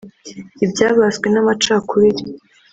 ibyabaswe n’amacakubiri